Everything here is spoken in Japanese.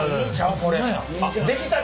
これ。